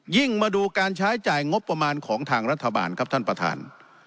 มาดูการใช้จ่ายงบประมาณของทางรัฐบาลครับท่านประธาน